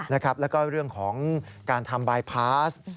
แล้วก็เรื่องของการทำบายพาส